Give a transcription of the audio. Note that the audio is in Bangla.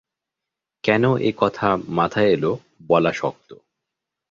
কেন এ কথা মাথায় এল বলা শক্ত।